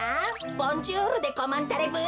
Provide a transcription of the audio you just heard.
ボンジュールでコマンタレブー。